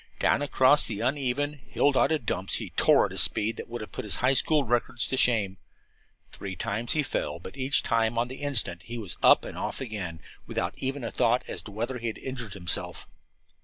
Down across the uneven, hill dotted dumps he tore at a speed that would have put his school records to shame. Three times he fell, but each time on the instant he was up and off again, without even a thought as to whether or not he had injured himself.